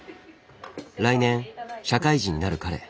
来年社会人になる彼。